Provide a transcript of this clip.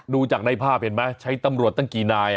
ดูจากในภาพเห็นไหมใช้ตำรวจตั้งกี่นาย